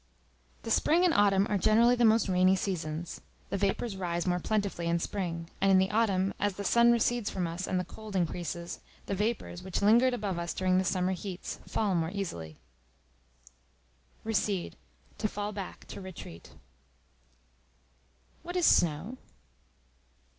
The Spring and Autumn are generally the most rainy seasons, the vapors rise more plentifully in Spring; and in the Autumn, as the sun recedes from us and the cold increases, the vapors, which lingered above us during the summer heats, fall more easily. Recede, to fall back, to retreat. What is Snow?